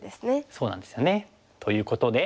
そうなんですよね。ということで。